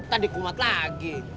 ntar dikumat lagi